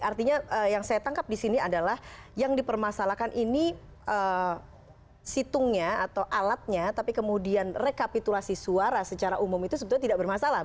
artinya yang saya tangkap di sini adalah yang dipermasalahkan ini situngnya atau alatnya tapi kemudian rekapitulasi suara secara umum itu sebetulnya tidak bermasalah